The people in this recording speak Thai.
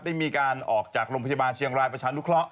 ได้มีการออกจากโรงพยาบาลเชียงรายประชานุเคราะห